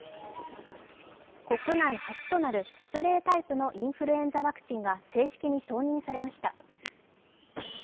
国内初となるスプレータイプのインフルエンザワクチンが正式に承認されました。